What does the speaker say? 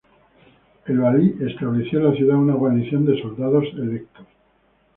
El valí estableció en la ciudad una guarnición de soldados electos.